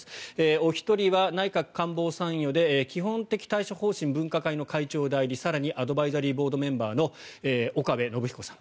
お一人は、内閣官房参与で基本的対処方針分科会の会長代理更にアドバイザリーボードメンバーの岡部信彦さん。